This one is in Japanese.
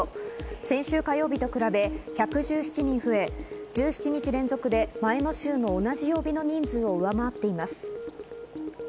先週火曜日と比べ１１７人増え、１７日連続で前の週の同じ曜日の人数を上回っています。